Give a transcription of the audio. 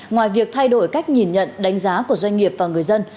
ngoài việc thay đổi cách nhìn nhận đánh giá của doanh nghiệp và người dân